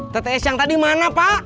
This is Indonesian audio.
tts yang tadi mana pak